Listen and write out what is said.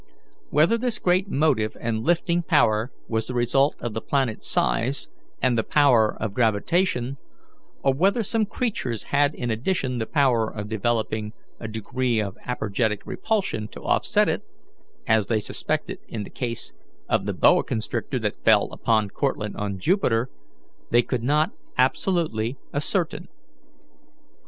Whether this great motive and lifting power was the result of the planet's size and the power of gravitation, or whether some creatures had in addition the power of developing a degree of apergetic repulsion to offset it, as they suspected in the case of the boa constrictor that fell upon Cortlandt on Jupiter, they could not absolutely ascertain.